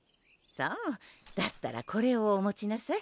そうだったらこれをお持ちなさい